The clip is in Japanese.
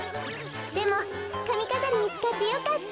でもかみかざりみつかってよかった。